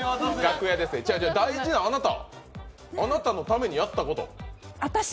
違う違う、大事な、あなたあなたのためにやったこと。